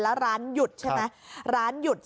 แล้วร้านอยู่ที่นี่มีคนทำกับข้าวอยู่๒คน